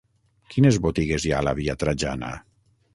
Quines botigues hi ha a la via Trajana?